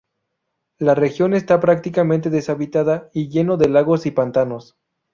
La región está prácticamente deshabitada y lleno de lagos y pantanos.